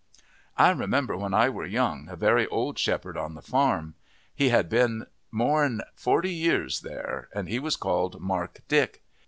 "I remember, when I were young, a very old shepherd on the farm; he had been more 'n forty years there, and he was called Mark Dick.